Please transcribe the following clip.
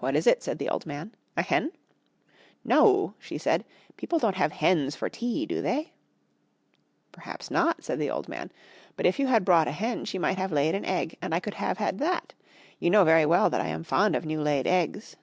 "What is it?" said the old man, "a hen?" "No," she said, "people don't have hens for tea, do they?" "Perhaps not," said the old man. "But if you had brought a hen she might have laid an egg, and I could have had that. You know very well that I am fond of new laid eggs."